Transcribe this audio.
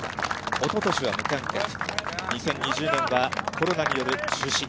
おととしは無観客、２０２０年はコロナによる中止。